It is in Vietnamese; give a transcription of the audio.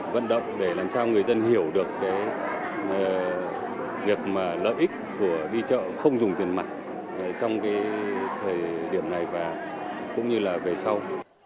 vận động để làm sao người dân hiểu được cái việc mà lợi ích của đi chợ không dùng tiền mặt trong thời điểm này và cũng như là về sau